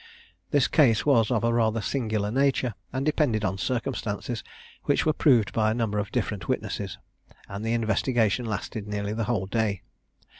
This case was of a rather singular nature, and depended on circumstances, which were proved by a number of different witnesses; and the investigation lasted nearly the whole day.